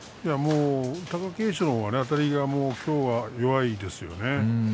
貴景勝のあたりがきょうは弱いですよね。